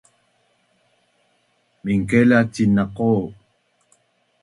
minqelasin na qo